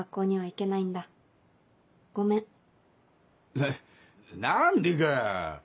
な何でかぁ！